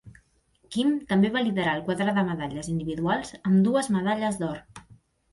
Kim també va liderar el quadre de medalles individuals amb dues medalles d'or.